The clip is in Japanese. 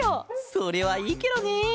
それはいいケロね！